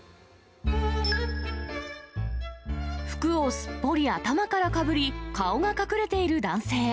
服をすっぽり頭からかぶり、顔が隠れている男性。